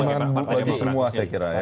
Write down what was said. jadi pertimbangan bagi semua saya kira ya